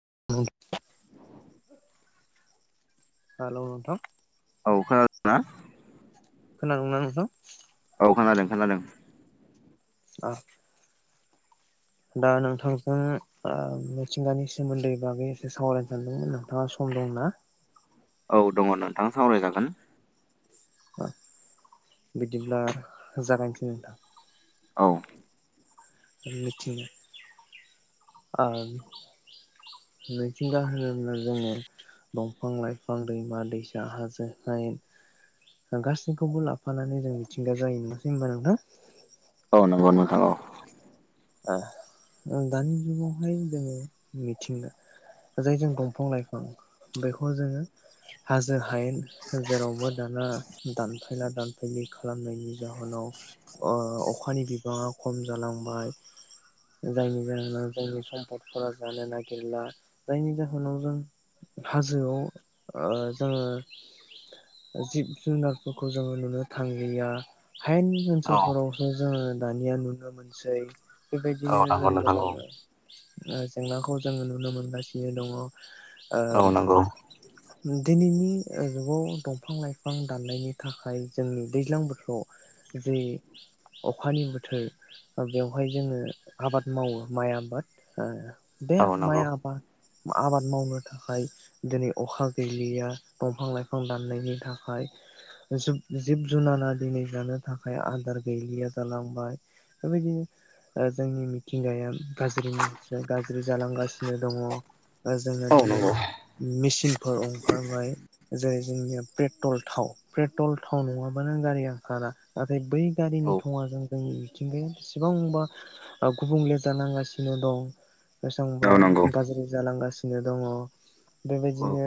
[inaudible] hello नोंथां औ खोनादो ना खोनादोंं ना नोंथां औ खोदों खोदों औ दा नोंथांजों ओ मिथिंगानि सोमोन्दै बागै एसे सावरायनो सानदोंमोन नोंथाङा सम दंना औ दङ नोंथां सावरायजागोन बिदिब्ला जागायसै नोंथां औ मिथिंगा मिथिंगा होनोब्ला जोङो दंफां लाइफां दैमा दैसा हाजो हाइेन गासैखौबो लाफानानै जों मिथिंगा जायोनासै होनबा नोंथा औ नंगौ नोंथां औ दानि जुगावहाय जोङो मिथिंगा जायजों दंफां लाइफां बेखौ जोङो हाजो हायेन जेरावबो दाना दानफायला दानफायलि खालामनायनि जाहोनाव अखानि बिबाङा खम जालांबाय जायनि जाहोनाव जोंनि सम्पदफोरा जानो नागिरला जायनि जाहोनाव जों हाजोआव जोङो जिब जुनारफोरखौ जोङो नुनो थांलिया हायेन औ ओनसोलफोरावसो जोङो दानिया नुनो मोनसै औ बेबायदिनोनो नंगौ जों नोंथां गोबां औ ओ जेंनाखौ जोङो नुनो मोनगासिनो दङ आरो औ नंगौ उम दिनैनि जुगाव दंफां लाइफां दाननायनि थाखाय जोंनि दैज्लां बोथोराव जे अखानि बोथोर बेवहाय जोङो आबाद मावो माइ आबाद बे औ माइ नंगौ आबाद आबाद मावनो थाखाय दिनै अखा गैलिया दंफां लाइफां दाननायनि थाखाय जिब जुनारा दिनै जानो थाखाय आदार गैलिया जालांबाय बेबायदिनो जोंनि मिथिंगाया गाज्रिनिफ्राय गाज्रि जालांगासिनो दङ जोंना औ दिनै नंगौ मेसिनफोर ओंखारबाय जेरै जोंनिया पेट्रल थाव पेट्रल थाव नङाबा नों गारिया ओंखारा नाथाय बै औ गारिनि थङाजों जोंनि मिथिंगाया बेसेबां बेसेबांबा ओ गुबुंले जालां गासिनो दं बेसांबा औ नंगौ औ नंगौ गाज्रि जालांगासिनो नो दङ बेबायदिनो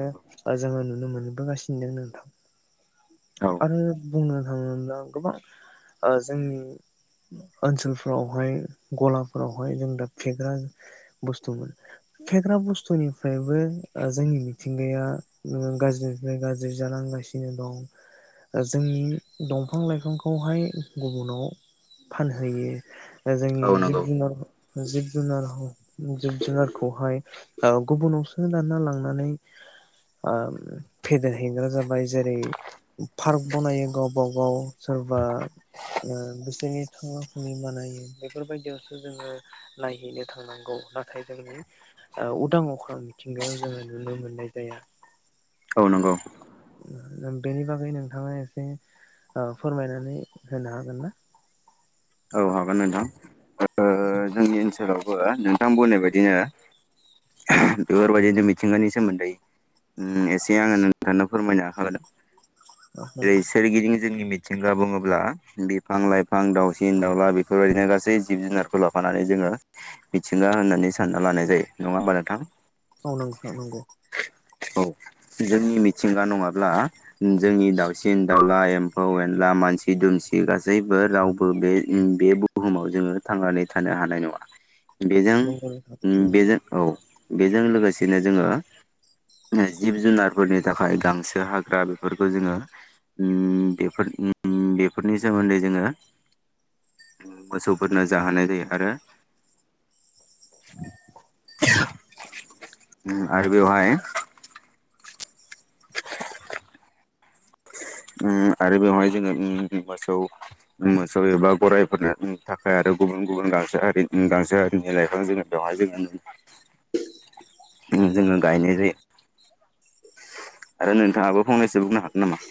ओ जोङो नुनो नुनो मोनबोगासिनो दं नोंथां औ आरो बुंनो था फोरावहाय गलाफोरावहाय जों दा फेग्रा बुस्थुमोन फेग्रा बुस्थुनिफ्रायबो जोंनि मिथिंगाया गाज्रिनिफ्राय गाज्रि जानांगासिनो दं जोंनि दंफां लाइफांखौहाय गुबुनाव फानहोयो दा औ जोंनि जिब नंगौ जुनार जिब जुनार जिब जुनारखौहाय ओ गुबुनावसो लांना लानानै ओ फेदेरहैग्रा जाबाय जेरै पार्क बनायो गावबा गाव सोरबा ओ बिसोरनि थांना थानायनि बानायो बेफोरबायदियावसो जोङो नायहैनो थांनांगौ नाथाय जोंनि ओ उदां अख्रां मिथिंगायाव जोङो नुनो मोननाय जाया औ नंगौ बेनि बागै नोंथाङा एसे ओ फोरमायनानै होनो हागोन ना औ हागोन नोंथां ओ जोंनि ओनसोलाव बो नोंथां बुंनाय बायदिनो बेफोरबायदिनो मिथिंगानि सोमोन्दै उम एसे आङो नोंथांनो फोरमायनो आखायाव लादों औ जेरै नोंथां सोरगिदिं जोंनि मि थिंगा बुङोब्ला बिफां लाइफां दाउ सिन दाउला बेफोरबायदिनो गासै जिब जुनारखौ लाफानानै जोङो मिथिंगा होननानै सानना लानाय जायो नङा होमबा नोंथां औ नंगौथ' नंगौ औ जोंनि मिथिंगा नङाब्ला जोंनि दाउसिन दाउला एम्फौ एनला मानसि दुमसि गासैबो राव बो बे उम बे बुहुमाव जोङो थांनानै थानो हानाय नङा बेजों नंगौ नोंथां उम बेजों औ बेजों लोगोसेनो जोङो जिब जुनारफोरनि थाखाय गांसो हाग्रा बेफोरखौ जोङो उम बेफोर उम बेफोरनि सोमोन्दै जोङो मोसौफोरनो जाहोनाय जायो आरो आरो बेवहाय उम आरो बेवहाय जोङो उम मोसौ मोसौ एबा गराइफोरनि थाखाय आरो गुबुन गुबुन गांसो हारि गांसो हारिनि लाइफां जोङो बेवहाय जोङो जोङो गायनाय जायो आरो नोंथाङाबो फंनैसो बुंनो हागोन नामा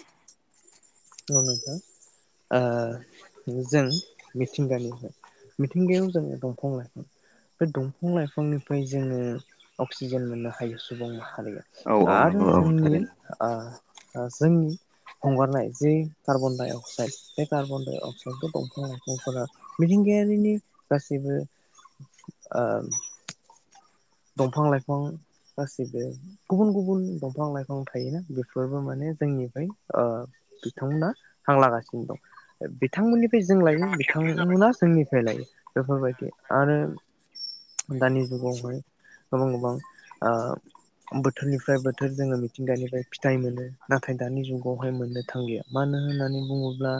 ओ नोंथां ओ जों मिथिंगानिफ्राय मिथिंगायाव जोंङो दंफां लाइफां बे दंफां लाइफांनिफ्राय जोङो अक्सिजेन मोननो हायो सुबुं मा औ हारिया औ आरो नंगौ औ जोंनि थारैनो औ ओ ओ जोंनि हंगारनाय जि कार्बन डाइ अक्साइड बे कार्बन डाइ अक्साइडखौ दंफां लाइफांफोरा मिथिंगायारिनि गासैबो ओ दंफां लाइफां गासिबो गुबुन गुबुन दंफां लाइफां थायोना बेफोरबो माने जोंनि बै ओ बिथांमोना हांलागासिनो दं बिथांमोननि जों लायो बिथांमोना जोंनिफ्राय लायो बेफोरबायदि आरो दानि जुगावहाय गोबां गोबां आ बो थोरनिफ्राय बोथोर जोङो मिथिंगानिफ्राय फिथाइ मोनो नाथाय दानि जुगावहाय मोननो थांलिया मानो होननानै बुङोब्ला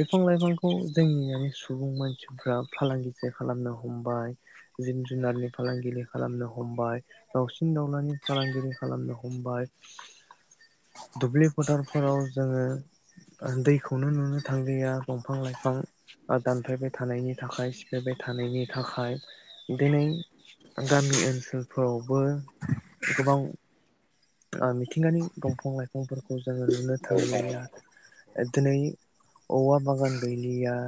बिफां लाइफांखौ जोंनि सुबुं मानसिफ्रा फालांगिसो खालामनो हमबाय जिब जुनारनि फालांगि खालामनो हमबाय दावसिन दावलानि फालांगिरि खालामनो हमबाय दुब्लि फोथारफोराव जोङो दैखौनो नुनो थांलिया दंफां लाइफां दानफायबाय थानायनि थाखाय सिफायबाय थानायनि थाखाय दिनै गामि ओनसोल फोरावबो गोबां ओ मिथिंगानि दंफां लाइफांफोरखौ जोङो नुनो थारैनो थांलिया दिनै औवा बागान गैलिया